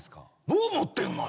どう思ってんのよ。